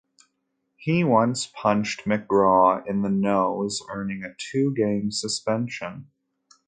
He once punched McGraw in the nose, earning a two-game suspension.